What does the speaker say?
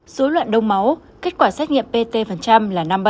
dối loạn đông máu kết quả xét nghiệm pt là năm mươi bảy